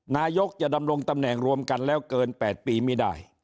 นายกจะดำรงตำแหน่งรวมกันแล้วเกิน๘ปีไม่ได้